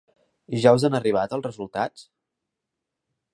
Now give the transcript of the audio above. Ja us han arribat els resultats?